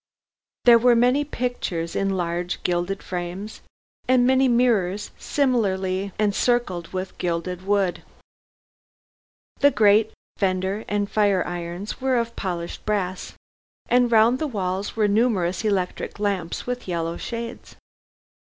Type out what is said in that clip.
There were many pictures in large gilded frames and many mirrors similarly encircled with gilded wood. The grate, fender and fire irons were of polished brass, and round the walls were numerous electric lamps with yellow shades.